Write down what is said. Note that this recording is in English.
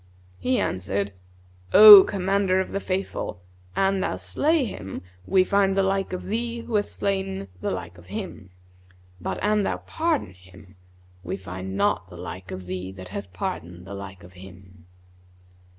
He answered, 'O Commander of the Faithful, an thou slay him, we find the like of thee who hath slain the like of him; but an thou pardon him, we find not the like of thee that hath pardoned the like of him.'"